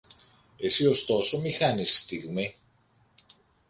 Εσύ ωστόσο μη χάνεις στιγμή.